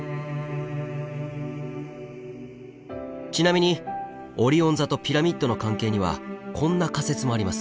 ちなみにオリオン座とピラミッドの関係にはこんな仮説もあります。